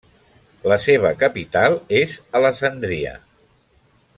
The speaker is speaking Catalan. La seva capital és Alessandria.